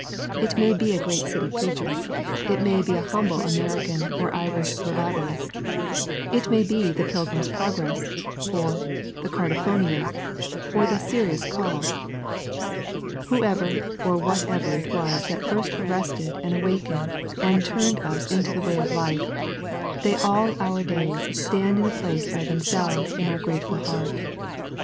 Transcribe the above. It may be a great city preacher; it may be a humble American or Irish revivalist; it may be The Pilgrim's Progress, or The Cardiphonia, or the Serious Call whoever or whatever it was that first arrested and awakened and turned us into the way of life, they all our days stand in a place by themselves in our grateful heart.